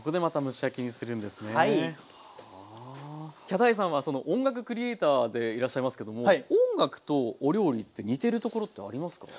ヒャダインさんは音楽クリエーターでいらっしゃいますけども音楽とお料理って似てるところってありますか？